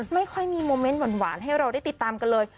ไม่ค่อยมีโมเมนต์หวานให้เราได้ติดตามกันเลย